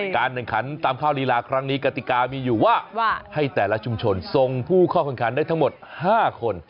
การแข่งขันตามข้าวลีลาครั้งนี้กติกามีอยู่ว่าให้แต่ละชุมชนส่งผู้เข้าแข่งขันได้ทั้งหมด๕คน